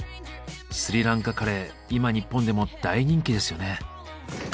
スリランカカレー今日本でも大人気ですよね。